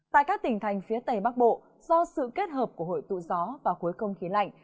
tại các tỉnh thành phía tây bắc bộ do sự kết hợp của hội tụ gió và khối không khí lạnh